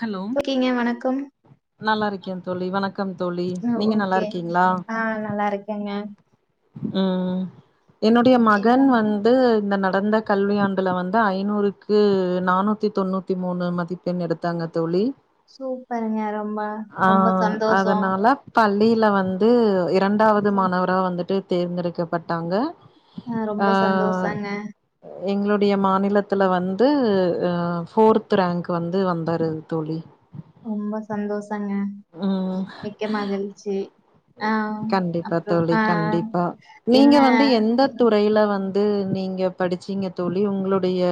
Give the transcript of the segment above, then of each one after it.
Hello ஓகேங்க வணக்கம் நல்லா இருக்கே தோளி வணக்கம் தோளி நீங்க நல்லா ஓகே இருக்கீங்களா ஆ நல்லா இருக்கேங்க உம் என்னுடைய மகன் வந்து இந்த கடந்த கல்வியாண்டுல வந்து ஐநூறுக்கு நானூத்தி தொண்ணூத்தி மூணு மதிப்பெண் எடுத்து தாங்க தோளி சூப்பருங்க ரொம்ப ஆ ரொம்ப சந்தோஷோ அதனால பள்ளியில வந்து இரண்டாவது மாணவரா வந்துட்டு தேர்ந்தெடுக்கப்பட்டாங்க ஆ ரொம்ப சந்தோஷங்க எங்களுடைய மாநிலத்துல வந்து ஃபோர்த் ரேங்க் வந்து வந்த [unintelligible] தோளி ரொம்ப சந்தோஷோ ம் ஆ கண்டிப்பா அப்றோ தோழி ஆ கண்டிப்பா என்ன நீங்க வந்து எந்த துறையில வந்து நீங்க படி ச்சீங்க தோழி உங்களுடைய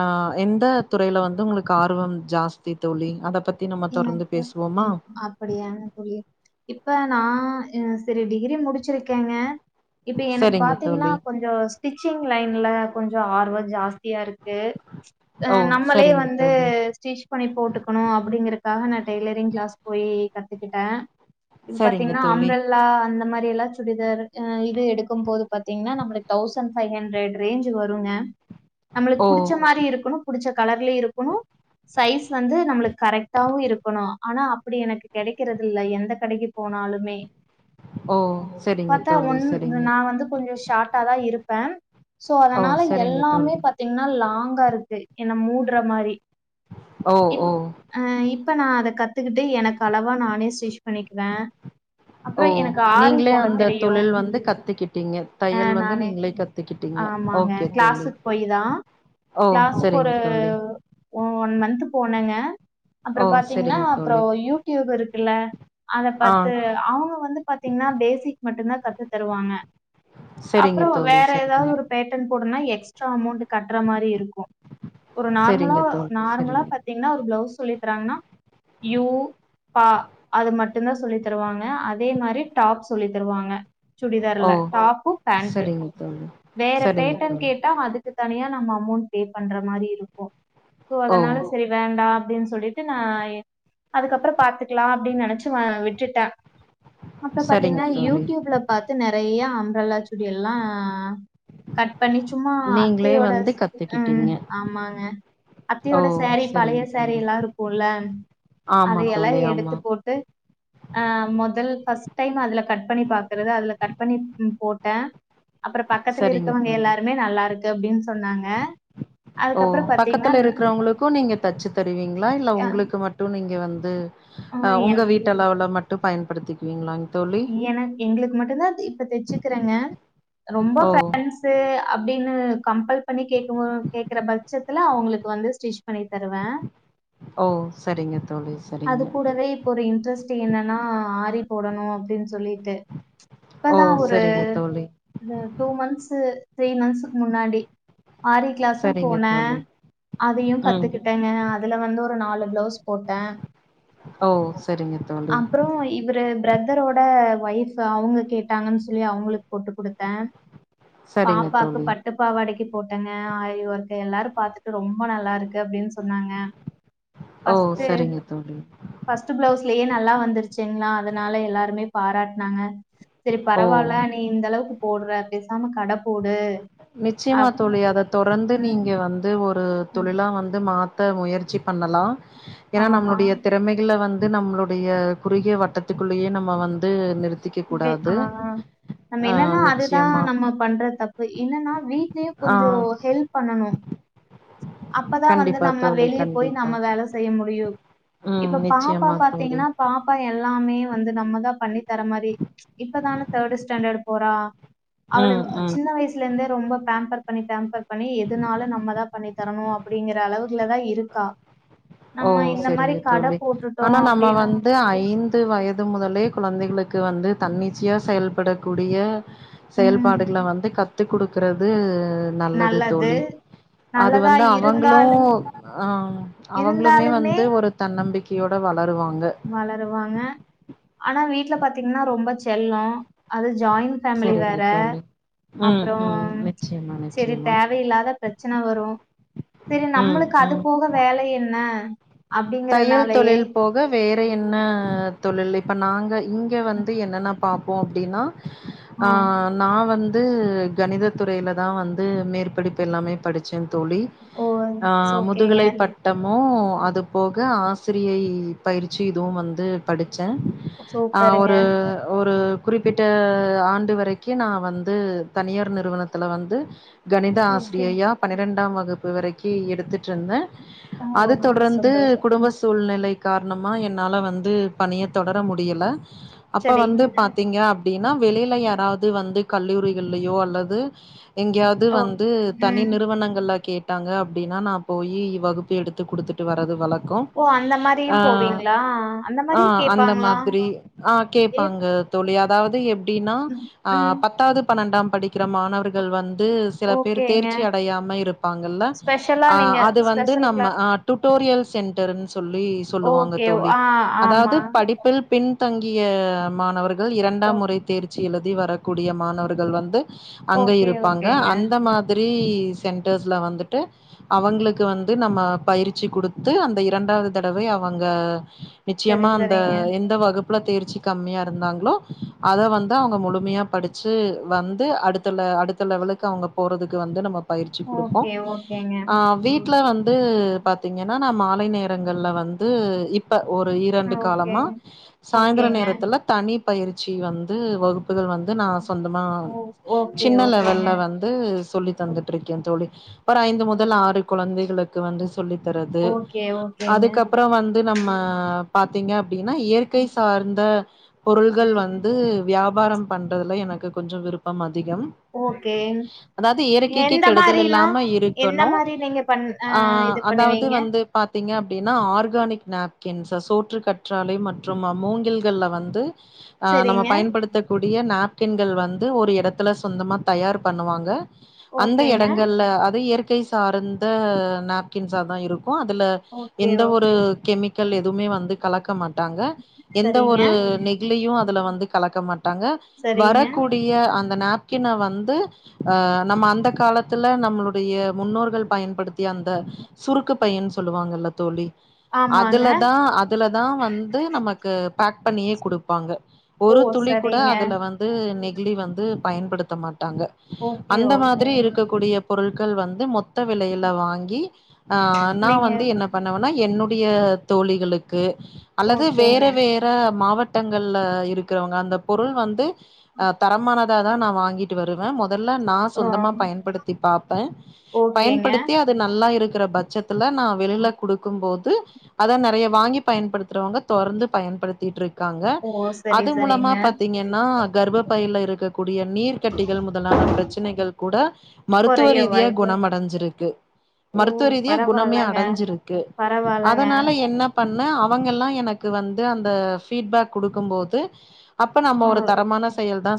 அ எந்த துறையில வந்து உங்களுக்கு ஆர்வம் ஜாஸ்தி தோழி அதப் பத் தி நம்ம தொடர்ந்து எனக்கு பேஸ் ம் அப்டியாங்க தோழி இப்ப நா அ செரி டிகிரி முடிச்சிருக்கேங்க இப்பு எனக் சரிங்க பாத்தீங்னா தோழி கொஞ்சோ ஸ்டிச்சிங் லைன்ல கொஞ்சோ ஆர்வ ஜாஸ் தியார்க்கு அ ஓ நம்மளே சரிங்க வந்து தோழி ஸ்டிச் பண்ணி போட்டுக்கணு அப்டிங்று நா டெய்லரிங் க்ளாஸ் போயி கத்துக்குட்டே இது சரிங்க பாத்தீன்னா தோழி அம்ரல்லா அந்த மார் ரே எலா ச்சுடிதாரு அ இது எடுக்கும்போது பாத்தீங்னா நம்லுக் தௌசண் ஃபை ஹண்ட்ரட் ரேஞ்சு வருங்க நம்மளுக் ஓ புடிச்ச மாரி இருக்கணு புடிச்சக் கலர்லே இருக்குணு சைஸ் வந்து நம்ளுக் கரக் தவ் இருக்கணு ஆனா அப்படி எனக்கு கெடைக்கறதில்லை எந்த கடைக்கி போனாலுமே ஓ சரிங்க பத்தா தோழி ஒன் சரிங்க நா வந்து கொஞ்சு ஷார்ட் ட்டா தா இருப்பே சோ ஓ அதனால சரிங்க எல்லாமே தோழி பாத்தீங்னா லா அங்கா இருக்கு என்ன மூட்ற மாரி ஓ இப்ப ஓ அ இப்ப நா அத கத்துக்கிட்டு எனக் அளவா நானே ஸ்விஷ் பண்ணிக்வே ஓ அப்றோ எனக் ஆரி நீங்களே போட அந்த தெரியு தொழில் வந்து கத்துக்கிட்டீங்க அ தையல் வந்து நானு நீங்களே கத்துக்கிட்டீங்க ஆமாங்க ஓகே தோழி க்ளாஸுக் பொய்யி தா ஓ க்ளாஸுக் சரிங்க ஒரு தோழி ஒ ஒன் மந்த்து போனேங்க அப்றொ ஓ பாத்தீங்கன்னா சரிங்க அப்றொ தோழி யூடியூப் இரு குல்ல அதப் ஆ பாத்து அவுங்க வந்து பாத்தீங்கன்னா பேசிக் மட்டுந்தா கத்து தருவாங்க செரிங்க அப்றொ தோழி வேற செரிங்க ஏதாவ்து ஒரு பேட்டன் போடனா எ க்ஸ்ட்டா அமாௌண்ட் கட்ற மாரி இருக்கு ஒரு நார்மலா செரிங்க தோழி நார்மலா செரிங்க பாத்தீங்னா ஒரு ப்ளௌஸ் சொல்லி தராங்னா யூ பா அத மட்டுந்தா சொல்லி தருவாங்க அதே மாரி டாப் சொல்லி தருவாங்க ஓ சுடிதார்ல டாப்பு பேண்ட்டு செரிங்க தோழி வேற செரிங்க பேட்டன் தோழி கேட்டா அதுக்கு தனியா நம்ம அமௌண்ட் பே பண்ற மாரி இருக்கு ஸோ ஓ அதனால சரி வேண்டா அப்டின் சொல்லிட்டு நா அதுக்கப்றம் பாத்துக்லா அப்டின் நெனச்சு வ விட்டுட்ட அப்றம் செரிங்க பாத்தீங்கன்னா தோழி யூடியூப்ல பாத்து நெறையா வெள்ளாச்சுடி எல்லா கட் பண்ணி சும்மா நீங்களே வந்து அத்தையோடஸ் உம் கத்துக்கிட்டீங்க ஆமாங்க ஓ அத்தையோட சேரீ பழைய செரிங்க தோழி சேரியெல்லா இருக்கூல ஆமா அதையெல்லா தோழி ஆமா எடுத்து போட்டு ஆஹ் மொதல் கஸ் டைம் அதுல கட் பண்ணி பாக்குறது அதுல கட் பண்ணி ம் போட்டே அப்றொ பக்கத்துல செரிங்க இருக்கவங்க தோழி எல்லாருமே நல்லாருக்கு அப்படின் சொன்னாங்க ஓ அதுக்கப்றொ பாத்திங்னா டுவீங்ளா இல்ல உங்ளுக்கு மட்டு நீங்க வந் ம் ஆ ஆஹ் உங்க என் வீட்டு அளவுல மட்டு பயன் படுத்திக்வீங்ளாங் இயன்னா எங்களுக்கு மட்டுந்தா இப்ப தெச்சுக்கிறேங்க ரொம்ப ஓ ஃப்ரண்ட்ஸு அப்டி ன்னு கம்பல் பண்ணி கேக்கவு கேக்ற பட்சத்துல அவங்களுக் வந்து ஸ்டிச் பண்ணி தருவே ஓ செரிங்க தோழி அது செரிங்க கூடவே இப்ப ஒரு இன்ட்ரெஸ்ட்டி என்னன்னா ஆரி போடணூ சொல்லிட்டு ஓ இப்பதான் ஒரு செரிங்க தோழி டூ மந்த்ஸ்ஸு த்ரீ மந்த்ஸுக்கு முன்னாடி ஆரி கிளாஸு செரிங்க போனே தோழி அதையு ம் கத்துக்கிட்டே அதுல வந்து ஒரு நாலு ப்ளவ்ஸ் போட்டே ஓ சரிங்க தோழி அ ஒய்ஃப் அவங்க கேட்டாங்கன் சொல்லி அவங்களுக் போட்டு குடுத்தே சரிங்க பாப்பாக்கு தோழி பட்டுப்பாவாடைக்கு போட்டேங்க ஆரிவொர்க்கு எல்லாரு பாத்துட்டு ரொம்ப நல்லா இருக்கு அப்டின்னு சொன்னாங்க ஓ ஃபஸ்ட்டு சரிங்க தோழி ஃபஸ்ட்டு ப்ளவ்ஸ்லயே நல்லா வந்துருச்சிங்ளா அதனால எல்லாருமே பாராட்னாங்க செரி ஓ பரவால்ல நீ இந்த அளவுக்கு போட்ற பேசாம கட போடு நிச்சயமா அப் தோழி அத தொடர்ந்து நிச்சயமா. நீங்க வந்து ஒரு உ ம், ம். தொழிலா வந்து மாத் த முயற்சி பண்ணலா ஏனா ஆமா. நம்ளுடைய ம். திறமைகள வந்து நம்ளு டிய குறுகிய வட்டத்துக்குள்ளயே நம்ம வந்து நிறுத் வெ அ அ நம்ம என்னன்னா அதுதா நிச்சயமா நம்ம பண்ற தப்பு இன் இல்லன்னா வீட்லயே ஆ கொஞ்சோ ஹெல்ப் பண்ணனு அப்பதா வந்து கண்டிப்பா நம்ம தோழி வெளிய போயி கண்டிப்பா நம்ம வேல செய்ய முடியு ம் இப்ப பாப்பா நிச்சயமா தோழி பாத்தீங்கனா பாப்பா எல் லாமே வந்து நம்ம தா பண்ணி தர மாரி இப்பதான தேடு ஸ்டாண்டர் போறா அவளவ் ம் ம் சின்ன வயசுலேந்தே ரொம்ப பேம்பர் பண்ணி டேம்பர் பண்ணி எதுனாலு நம்ம தா பண்ணி தரணு அப்புடிங்கிற அளவுக் ஓ இந்த மாரி செரிங்க கட தோழி ஆனா போட்டுட்டோம் நம்ம அப்படின்னா வந்து ஐந்து வயது முதலே கொழந்தைக்ளுக்கு வந்து தன்னிச்சியா செயல்படக்கூடிய ம் செயல்பாடுக்ள வந்து கத் து குடுக்குறது நல்லது தோழி அது நல்லதா வந்து அவங்ளு இருந்தாலும் ஆ அவங்ளுமே இருந்தாலுமே வந்து ஒரு தன் நம்பிக்கியோட வள் வளருவாங்க அனா வீட் ட்ல பாத்தீங்ன்னா ரொம்ப செல்லோ அது ஜாயின் ஃபேம்லி செரிங்க வேற தோழி ம் அப்றோ ம் நிச்சயமா செரி நிச்சயமா தேவையில்லாத ப்ரச்சன வரு செரி நம்முளுக்கு அது போக வேல என்ன தைய்யல் அப்டிங்கறனாலயே தொழில் போக வேற என்ன தொழு இப்ப நாங்க இங்க வந்து என்னனா பாப் போ அப்டினா ஆ ம் நா வந்து கணிதத் துறையில தா வந்து மேர்படிப்பு எல்லாமே படிச்ச தோழி ஓ ஆ ஓகேங்க முதுகலை பட்டமு அதுப் போக ஆசிரியை பயிற்சி இதுவு வந்து படு ச்ச ஆ சூப்பருங்க ஒரு ஒரு குறிப்பிட்ட ஆண்டு வரக்கி நா வந்து தனியார் நிறுவனத்துல வந்து கணித ஓகே ஆஸ்ரியையா பனிரெண்டாம் வகுப் அது வரைக்கும் எடுத்துட்டு இருந்தேன் ஆ அத ரொம்ப தொடர்ந்து அது சந்தோஷோ குடும்ப சூழ்நிலை காரணமா என்னால வந்து பணிய தொடர முடியல அப்ப வந்து செரிங்க பாத்தீங்க அப்படின்னா வெளில யாராவது வந்து கல்லூரிகள்லயோ அல்லது எங்கயாவது ஓ வந்து தனி ம் நிறுவனங்கள்ல கேட் டாங்க அப்படின்னா நா போயி வகுப்பு எடுத்து குடுத்துட்டு வரது வழக் கம் ஓ அந்த மாரியு அஹ் போவீங்களா அந்த மாரியு ஆஹ் அந்த கேப்பாங்களா மாதிரி ஆஹ் ஏ கேப்பாங்க தோழி அதாவது எப் டின்னா ம் ம் பத்தாவது பன்னெண்டாம் படிக்கிற மாணவர்கள் வந் து சில பேர் ஓகேங்க தேர்ச்சி அடையாம இருப்பாங்கல்ல ஸ்பெஷலா அ நீங்க அது வந்து ஸ்பெஷல் நம்ம கிளாஸ் டுட்டோரியல் சென்டர்னு சொல்லி சொல்லுவாங்க ஓகே தோழி ஆ அதாவது ஆமா படிப்பில் பின் தங்கிய மாணவர் கள் ஓ இரண்டாம் முறை தேர் ச்சி எழுதி வரக்கூடிய மாணவர்கள் வந்து அங்க ஓகே இருப்பாங்க ஓகேங்க அந்த மாதிரி சென்டர்ஸ்ல வந்துட்டு அவங்களுக்கு வந்து நம்ம பயிற் ச்சி குடுத்து அந்த இரண்டாவது தடவை அவங்க செரி நிச்சயமா அந்த செரிங்க எந்த வகுப் ப்புல தேர்ச்சி கம்மியா இருந்தாங்களோ அத வந்து அவங்க முழுமையா படிச் ச்சு வந்து அடுத் ல அடுத்த லெவலுக்கு அவங்க போறதுக்கு வந்து நம்ம பயிற்சி குடுப்போம் ஓகே ஓகேங்க அ வீட்ல வந்து ங்கின்னா நா மாலை நேரங்கள்ல வந்து இப்ப ஒரு இரண்டு ஓகே காலமா சாயந்தர ஓகேங்க நேரத்துல தனி பயிற்சி வந் து வகுப்புகள் வந்து நா சொந்தமா ஓ ஓகே சின்ன ஓகேங்க லெவல்ல வந்து சொல்லி தந்துட்டு இருக்கே தோழி ஒரு ஐந்து முதல் ஆறு குழந்தைகளுக் க்கு வந்து சொல்லி தரது ஓகே ஓகேங்க அதுக்கப்புறோ வந்து நம்ம பாத் தீங்கப் அப்டின்னா இயற்கை சார்ந்த பொருள்கள் வந்து வியாபாரம் பண்றதுல எனக்கு கொஞ்சோ விருப்பமா அதிகம் ஓகே அதாவது இயற்கைக்கி எந்த கெடுதல் மாரினா இல்லாம எந்த இருக்கணு மாரி நீங்க பண் ஆ அ இது அதாவது பண்ணுவீங்க வந்து பாத்தீங்க அப்டின்னா ஆறு ஆர்கானிக் நாப்கின்ஸ் சோற்று கற்றாலை மற்றும் மா மூங்கில்கள்ல வந்து அ நம்ம செரிங்க பயன்படுத்தக்கூடிய நாப் கின்ங்கள் வந்து ஒரு எடத்துல சொந்தமா தயார் பண்ணுவாங்க அந்த ஓகேங்க இடங்கள்ல அது இயற்கை சார்ந்த நாப்கி கின்சா தா இருக்கு ங்கு அதுல ஓகே எந்த ஒரு ஓகே கெமிக்கல் இருக் எதுமே வந்து கலக்க மாட் டாங்க எந்த சரிங்க ஒரு நெகிலியு அதுல வந்து கலக்க மாட்டாங்க சரிங்க வரக்கூடிய அந்த நாப்கின வந்து வந்து அ நம்ம அந்த காலத்துல நம்மளுடைய முன்னோர்கள் பயன்படுத்திய அந்த சுருக்கு பையின்னு சொல்லுவாங்கல்ல தோழி ஆமாங்க அதுலதா அதுலதா வந்து நமக்கு பேக் பண்ணியே குடுப்பாங்க ஓ ஒரு துளி கூட சரிங்க அதுல வந்து நெகிழி வந்து பயன்படுத்த மாட்டாங்க ஓகே அந்த மாதிரி ஓகேங்க இருக்கக்கூடிய பொருள் கள் வந்து மொத் மொத்த விலையில வாங்கி அ நா நீங்க வந்து என்ன பண்ணுவேனா என்னுடைய தோழிகளுக் கு அல்லது வேற ஓகேங்க வேற மாவட் திட்டங்கள்ல இருக்கிறவங்க அந்த பொருள் வந்து அ தரமானதா தா நா வாங்கிட்டு வருவே மொத் மொதல்லா நா ஆ சொந்தமா பயன்படுத்தி பாப்பே ஓகேங்க பயன்படுத்தி அது நல்லா இருக்கு க்க பச்சத் தத்துவ நா வெளிலில குடுக்கு போது து அதா நறைய வாங்கி பயன்படுத்துறவங்க தொடர்ந்து பயன்படுத்திட்டுருக் க்காங்க ஓ சரி அது மூலமா சரிங்க பாத்தீங்கன்னா கர்ப்ப பயில இருக் கூடிய நீர் கட்டிகள் முதலான பிரச்சனைகள் கூட மருத்துவ கொறைய ரீதியா வாய்ப்பு குணமடைஞ்சிருக்கு ஓ மருத்துவ ரீதியா குணமே பரவால்லங்க அடைஞ்சிருக்கு பரவால்லங்க அதனால என்ன பண்ண அவங்கெல்லா எனக்கு வந்து அந்த ஃபீட்பேக் குடுக்கும்போது அப்ப நம்ம ஒரு தரமான செயல் தா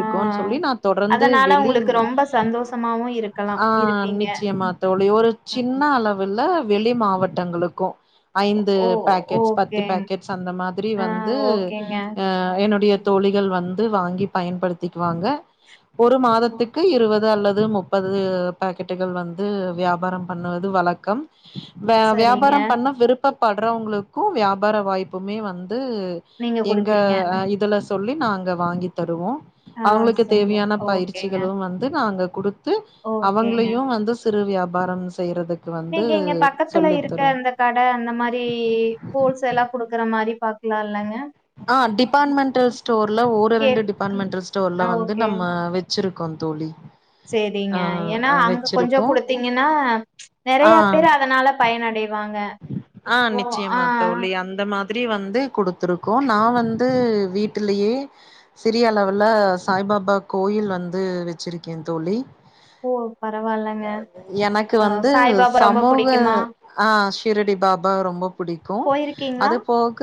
ஆ சொல்லி நா தொடர்ந்து அதனால வெளி உங்களுக்கு ரொம்ப சந்தோஷமாவு இருக்கலா அ இருப்பீங்க நிச்சயமா தோழி ஒரு சின்ன அளவில்ல வெளி மாவட்டங்களுக்கும் ஐந்து ஓ! பேக்கெட்ஸ் பத்து ஓகே. பேக்கெட்ஸ் அந்த மாதிரி ஆ வந்து ஓகேங்க. அ என்னுடைய தோழிகள் வந் து வாங்கி பயன்படுத்திக்குவாங்க ஒரு மாதத்துக்கு இருபது அல்லது முப் பது பாக்கெட்டுகள் வந்து வியாபாரம் பண்ணுவது வழக்கம் வ சரிங்க. வியாபாரம் விருப்பப் படுறவங்களுக்கும் வியாபார வாய்ப்புமே வந் து நீங்க எங்க குடுப்பீங்க. இதுல சொல்லி நாங்க வாங்கி தருவோ ஆ அவுங்களுக்கு சம்பா தேவையான ஓகேங்க, பயிற்சிகளும் வந்து நாங்க கொடு த்து ஓகேங்க. அவங்களையும் வந்து சிறு வியாப பரம் செய்றது இன்னைக்கு எங்க பக்கத்துல இருக்க அந்த கடை அந்த மாரி ஹோல்சேல்லா குடுக்குற மாரி பா க்லாம்லாங்க ஆஹ் டிபார்ட்மெண்டல் ஸ்டோர்ல ஒரு இரண்டு கேக் டிபார்ட்மெண்டல் ஸ்டோர்ல ஆ வந்து நம்ம வச்சிருக் கோம் தோழி செரிங்க ஆ ஏனா அங்க கொஞ்சம் வச்சிருக்கோ குடுத்தீங்கன்னா நெறைய பேரு அதனால பயனடைவாங் ஆஹ் நிச்சயமா தோழி அந்த மாதி திரி வந்து கொடுத்துருக்கோம் வந்து கொடுத்துருக்கோம் நான் வந்து வீட்டிலயே சிறிய அளவுல சாய்பாபா கோயில் வந்து வச்சிருக்கேன் தோழி ஓ! பரவால்லங்க. எனக்கு அ வந்து சாய்பாபா ரொம்ப சமூக புடிக்குமா? ஆஹ் சீரடி பாபா வ ரொம்ப புடிக்கும் போயிருக்கீங்களா? அது போக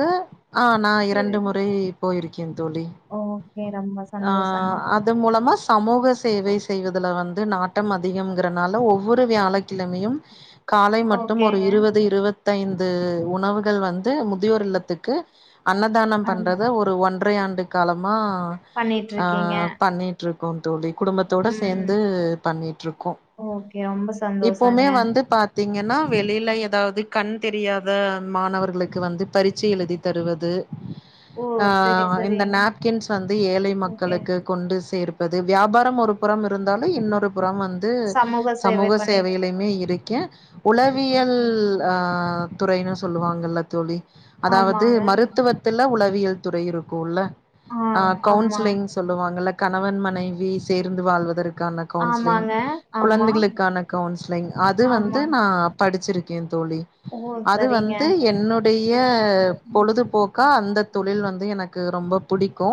ஆ நான் இரண்டு முறை போயிருக்கேன் தோழி ஓகே. ரொம்ப சந்தோஷங்க. ஆஹ் அது மூலமா சமூக சேவை செய்வதுல வந் து நாட்டம் அதிகம் குறனால ஒவ்வொரு வியாழக்கிழமையும் காலை மட்டும் ஒரு ஓகேங்க. இருவது இருவத்தைந் து உணவுகள் வந் து முதியோர் இல்லத்துக்கு அன்னதானம் பண்றது ஒரு ஒன் ன்றை ஆண்டு காலம் மா ஆ பண்ணிட்ருக்கீங்க. பண்ணிட்ருக் கோ தோழி குடும்பத்தோட ம் சேந்து பண்ணிட்ருக்கோ ஓகே ரொம்ப இப்பவுமே சந்தோஷங்க வந்து பாத்தீங்கன்னா வெளில ஏதாவது கண் தெரியாத மாணவர்களுக்கு வந்து பரீட்சை எழுதி தருவது ஓ ஆ சரி இந்த சரிங்க நாப்கின்ஸ் வந்து ஏழை ஓகே மக்களுக்கு கொண்டு சேர் ப்பது வியாபாரம் ஒரு புறம் இருந்தாலு இன்னொரு புறம் வந்து சேவை சமூக பண்ணி சேவையிலயுமே இருக் கே உளவியல் ஆ துறைன்னு சொல்லுவாங்கல்ல தோழி அதாவது ஆமாங்க மருத்துவத்தில உளவியல் துறை இருக்குல்ல ஆ ஆமா கவுன்சிலிங் சொல்லுவாங்கல்ல கணவன் மனைவி சேர் ந்து வாழ்வதற் கான கவுன்சிலிங் ஆமாங்க ஆமா குழந்தைகளுக்கான கவுன்சிலிங் அது வந்து ஆமாங் நா படிச்சிருக்கே தோழி ஓ அது சரிங்க வந்து என்னுடைய பொழுதுபோக்கா அந்த தொழில் வந்து எனக் கு ரொம்ப புடிக்கு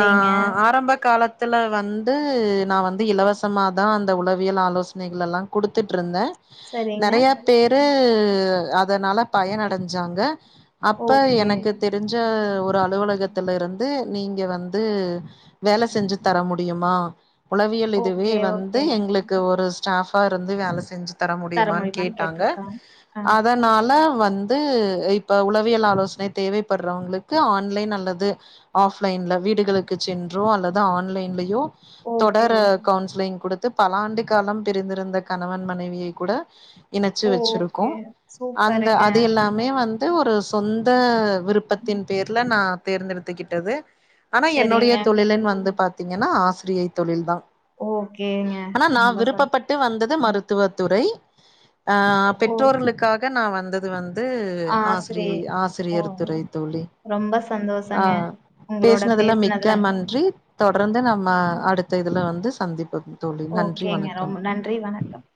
ஆ ஆரம்ப காலத்துல வந்து நா வந்து இலவசமாதா அந்த உளவியல் ஆலோச னைகள் எல்லா குடுத்துட்ருந்தே சரிங்க நெறைய பேரு ஆ அதனால பயன் அடைஞ்சாங்க அப்ப ஓகே எனக்கு தெரிஞ்ச ஒரு அலுவலகத்துல இருந்து நீங்க வந்து வேலை செஞ்சி தர முடியுமா உளவியல் இதுவே ஓகே வந்து ஓகே எங்களுக்கு ஒரு ஸ்டாப் இருந்து வேல செஞ்சி தர முடியுமான்னு கேட் டாங்க அதனால வந்து இப் ப உளவியல் ஆலோசனை தேவைப்படுறவங்களுக்கு ஆன்லைன் அல்லது ஆஃப் லயன்ல வீடுகளுக்கு சென்றோ அல்லது ஆன்லைன்லயோ ஓகே தொடர ஓ கவுன்சிலிங் குடுத் து பல ஆண்டு காலம் பிரிந்திருந்த கணவன் மனைவியை கூட இணைச்சி வச்சிருக்கோ ஓகே அந்த சூப்பருங்க அது எல்லாமே வந்து ஒரு சொந்த விருப்பத்தின் பேர்ல நா தேர்ந்தெடுத்துக்கிட்டது ஆனா என்னுடைய சரிங்க தொழிலுன் வந்து பாத்தீங்கன்னா ஆசிரியை தொழில் தா ஓகேங்க ஆனா நா ரொம்ப சந் விருப்பப்பட்டு வந்தது மருத்துவத் துறை ஆஹ் ஓ பெற்றோர்களுக்கா க நா வந்தது வந் து ஆ சரி ஆசிரியை ஆசிரியர் ஓ துறை தோழி ரொம்ப சந்தோஷங்க. ஆஹ் உங்களோட பேஸ்னதுல பேசுனதுல. மிக்க நன்றி தொடர்ந்து நம்ம அடுத்த இதுல வந்து சந்திப்போ [unintelligible] ஓகேங்க ரொம்ப நன்றி வணக்கம்